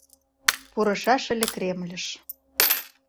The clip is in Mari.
Пурышаш ыле Кремльыш...